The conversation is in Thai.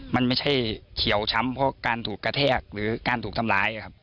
มันไม่ใช่เขียวช้ำเพราะการถูกกระแทกหรือการถูกทำร้ายครับ